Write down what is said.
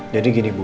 jadi gini ibu